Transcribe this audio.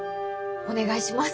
お願いします。